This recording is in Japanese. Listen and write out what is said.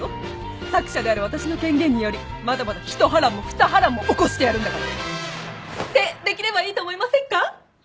作者である私の権限によりまだまだ一波乱も二波乱も起こしてやるんだから！ってできればいいと思いませんか？